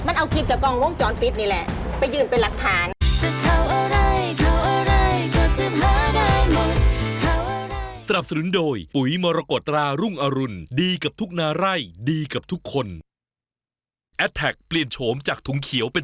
นิสสันนวรร่าแบล็คอีดีชัน